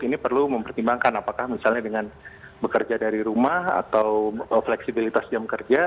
ini perlu mempertimbangkan apakah misalnya dengan bekerja dari rumah atau fleksibilitas jam kerja